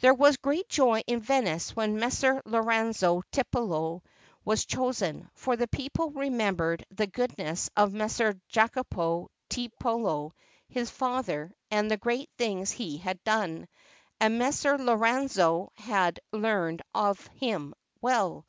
There was great joy in Venice when Messer Lorenzo Tiepolo was chosen; for the people remembered the goodness of Messer Jacopo Tiepolo, his father, and the great things he had done, and Messer Lorenzo had learned of him well.